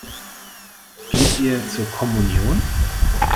Geht ihr zur Kommunion?